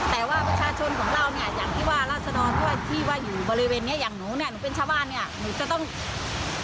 แต่ว่าประชาชนของเราเนี่ยอย่างที่ว่าราศดรด้วยที่ว่าอยู่บริเวณเนี้ยอย่างหนูเนี่ยหนูเป็นชาวบ้านเนี่ยหนูจะต้อง